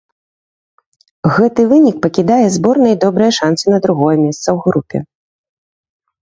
Гэты вынік пакідае зборнай добрыя шанцы на другое месца ў групе.